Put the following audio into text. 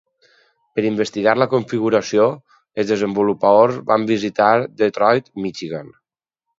Per investigar la configuració, els desenvolupadors van visitar Detroit, Michigan.